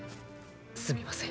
すみません。